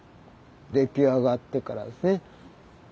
出来上がってからですね。